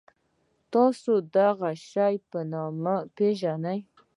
تاسو دغه شی په څه نامه پيژنی؟